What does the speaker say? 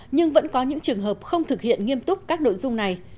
nhưng vẫn có những trường hợp không thực hiện nghiêm túc các nội dung này